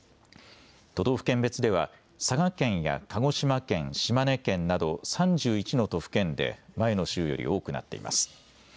都道府県別では佐賀県や鹿児島県、島根県など３１の都府県で前の週より多くなっています。